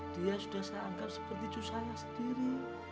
dia sudah saya anggap seperti cucu saya sendiri